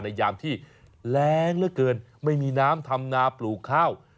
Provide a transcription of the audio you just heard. ยามที่แรงเหลือเกินไม่มีน้ำทำนาปลูกข้าว